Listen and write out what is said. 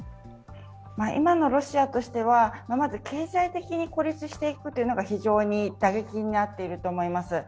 今のロシアとしては経済的に孤立しているというのが非常に打撃になっていると思います。